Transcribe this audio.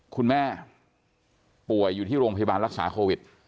คุณแม่ป่วยอยู่ที่โรงพยาบาลรักษาโควิด